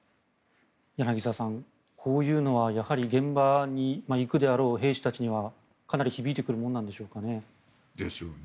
柳澤さん、こういうのはやはり現場に行くであろう兵士たちにはかなり響いてくるものなんでしょうかね？